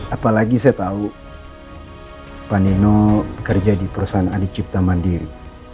apalagi saya tahu pak nino bekerja di perusahaan adik cipta mandiri